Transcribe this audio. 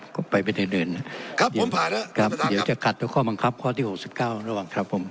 ครับผมผ่านแล้วครับเดี๋ยวจะขัดตัวข้อบังคับข้อที่๖๙ระหว่างครับผม